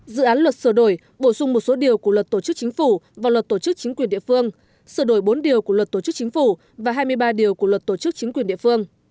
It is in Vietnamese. dự án luật sửa đổi bổ sung một số điều của luật tổ chức chính phủ và luật tổ chức chính quyền địa phương sửa đổi bốn điều của luật tổ chức chính phủ và hai mươi ba điều của luật tổ chức chính quyền địa phương